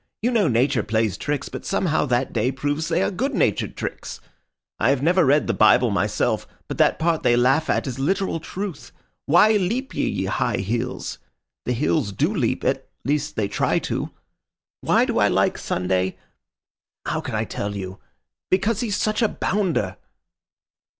You know Nature plays tricks, but somehow that day proves they are good natured tricks. I never read the Bible myself, but that part they laugh at is literal truth, 'Why leap ye, ye high hills?' The hills do leap—at least, they try to.... Why do I like Sunday?... how can I tell you?... because he's such a Bounder."